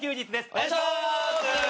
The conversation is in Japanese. お願いします。